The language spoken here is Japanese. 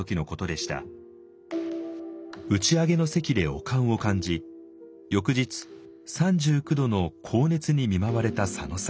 打ち上げの席で悪寒を感じ翌日３９度の高熱に見舞われた佐野さん。